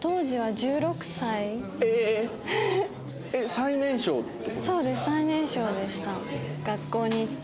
最年少でした。